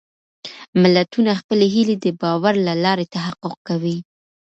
ملتونه خپلې هېلې د باور له لارې تحقق کوي.